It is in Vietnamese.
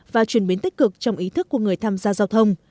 và chuyển biến tích cực trong ý thức của người tham gia giao thông